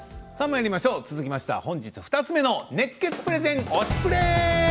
続きましては本日２つ目の熱血プレゼン「推しプレ！」。